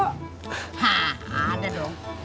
hah ada dong